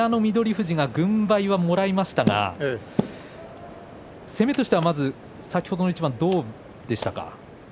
富士が軍配はもらいましたが攻めとしてはまず先ほどの一番どうでしたか。